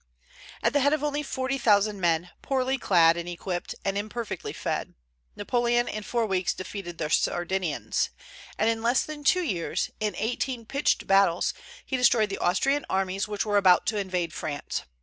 At the head of only forty thousand men, poorly clad and equipped and imperfectly fed, Napoleon in four weeks defeated the Sardinians, and in less than two years, in eighteen pitched battles, he destroyed the Austrian armies which were about to invade France.